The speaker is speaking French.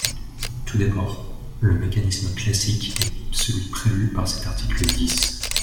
Tout d’abord, le mécanisme classique est celui prévu par cet article dix.